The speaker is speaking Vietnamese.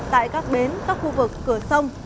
tại các bến các khu vực cửa sông